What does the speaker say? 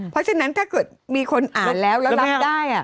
เพราะฉะนั้นถ้าเกิดมีคนอ่านแล้วแล้วรับได้